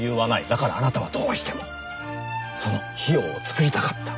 だからあなたはどうしてもその費用を作りたかった。